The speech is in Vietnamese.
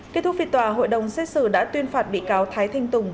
kết thúc phiên tòa hội đồng xét xử đã tuyên phạt bị cáo thái thanh tùng